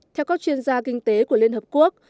theo các chuyên gia kinh tế của liên hợp quốc